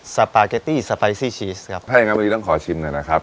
สปาเกตตี้สไปซี่ชีสครับถ้าอย่างงั้นวันนี้ต้องขอชิมหน่อยนะครับ